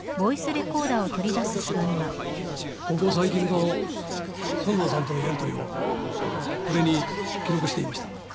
ここ最近の園田さんとのやりとりをこれに記録していました。